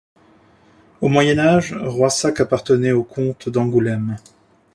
Au Moyen-Âge, Roissac appartenait aux comtes d'Angoulême.